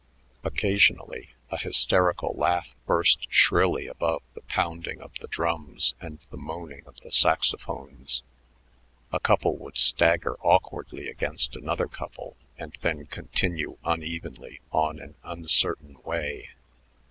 Occasionally a hysterical laugh burst shrilly above the pounding of the drums and the moaning of the saxophones. A couple would stagger awkwardly against another couple and then continue unevenly on an uncertain way.